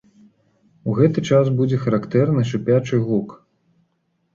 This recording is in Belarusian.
У гэты час будзе характэрны шыпячы гук.